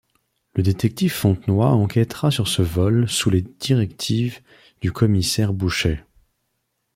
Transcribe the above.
Le détective Fontenoy enquêtera sur ce vol sous les directives du commissaire Bouchet.